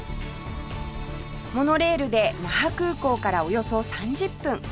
モノレールで那覇空港からおよそ３０分